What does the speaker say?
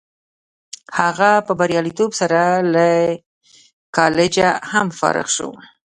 هغه په بریالیتوب سره له کالجه هم فارغ شو